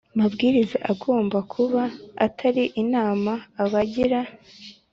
Mabwiriza agomba kuba atari inama abagira